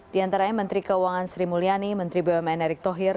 diantaranya menteri keuangan sri mulyani menteri bumn erick thohir